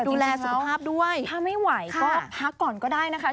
ดูแลสุขภาพด้วยถ้าไม่ไหวก็พักก่อนก็ได้นะคะ